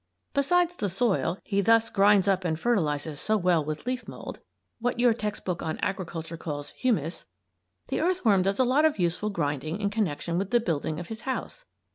Besides the soil he thus grinds up and fertilizes so well with leaf mould what your text book on agriculture calls "humus" the earthworm does a lot of useful grinding in connection with the building of his house.